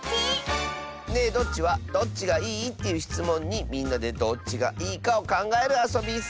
「ねえどっち？」はどっちがいい？というしつもんにみんなでどっちがいいかをかんがえるあそびッス。